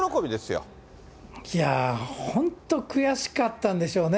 いやー、本当悔しかったんでしょうね。